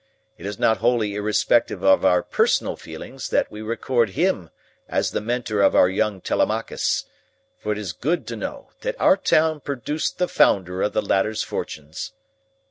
It is not wholly irrespective of our personal feelings that we record HIM as the Mentor of our young Telemachus, for it is good to know that our town produced the founder of the latter's fortunes.